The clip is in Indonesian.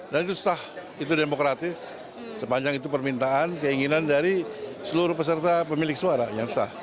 dan itu sah itu demokratis sepanjang itu permintaan keinginan dari seluruh peserta pemilik suara yang sah